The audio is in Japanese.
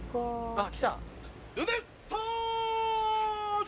あっ来た。